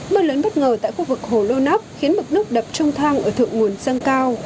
mưa lớn bất ngờ tại khu vực hồ lô nắp khiến bực nước đập trong thang ở thượng nguồn sân cao